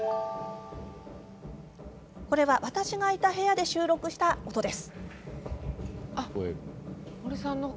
これは私がいた部屋で収録した音です。